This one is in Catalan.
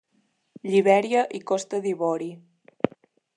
Libèria i Costa d'Ivori.